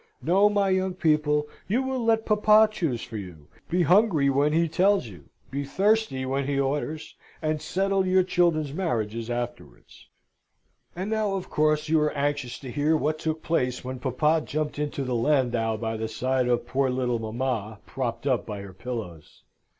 No, my young people, you will let papa choose for you; be hungry when he tells you; be thirsty when he orders; and settle your children's marriages afterwards. And now of course you are anxious to hear what took place when papa jumped into the landau by the side of poor little mamma, propped up by her pillows.